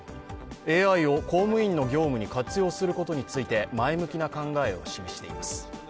ＡＩを公務員の業務に活用することについて前向きな考えを示しています。